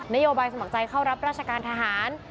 โยบายสมัครใจเข้ารับราชการทหาร